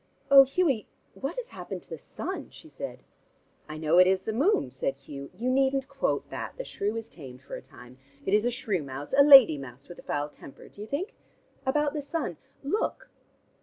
"Oh, Hughie, what has happened to the sun?" she said. "I know it is the moon," said Hugh. "You needn't quote that. The shrew is tamed for a time. It's a shrew mouse, a lady mouse with a foul temper; do you think? About the sun look."